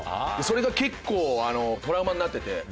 それが結構トラウマになってて。